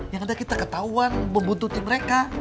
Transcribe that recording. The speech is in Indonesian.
yang ada kita ketahuan membuntuti mereka